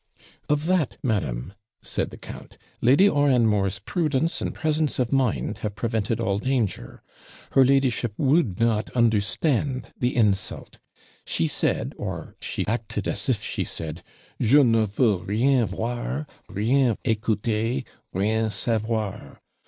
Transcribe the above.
'Of that, madam,' said the count, 'Lady Oranmore's prudence and presence of mind have prevented all danger. Her ladyship WOULD not understand the insult. She said, or she acted as if she said, "JE NE VEUX RIEN VOIR, RIEN ECOUTER, RIEN SAVOIR."